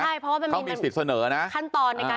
ใช่เพราะว่ามันมีขั้นตอนในการทำ